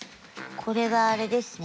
これはあれですね。